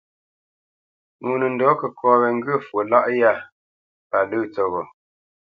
Ŋo nə ndɔ̌ kəkɔ wé ŋgyə̂ fwo tâʼ lâʼ yá pa lə̂ tsəghó.